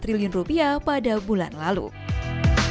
perusahaan teknologi asal china alibaba berencana mengakuisisi perusahaan